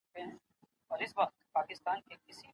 نصاب څنګه پوره کیږي؟